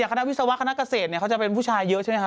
อย่างคณะวิศวะคณะเกษตรเนี่ยเขาจะเป็นผู้ชายเยอะใช่ไหมคะ